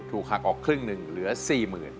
ถูกหักออกครึ่งหนึ่งเหลือ๔๐๐๐